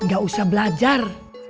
ga usah belajar